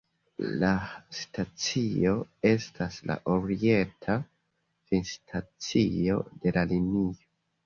La stacio estas la orienta finstacio de la linio.